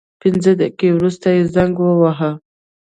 پنځه دقیقې وروسته یې زنګ وواهه.